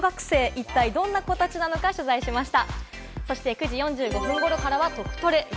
一体どんな子たちなのか取材しました。